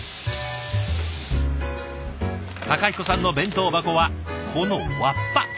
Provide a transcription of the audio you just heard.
孝彦さんの弁当箱はこのわっぱ。